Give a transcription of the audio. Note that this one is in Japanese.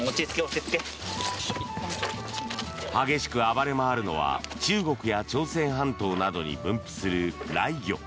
激しく暴れ回るのは中国や朝鮮半島などに分布するライギョ。